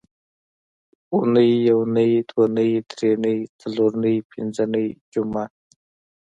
اونۍ یونۍ دونۍ درېنۍ څلورنۍ پینځنۍ جمعه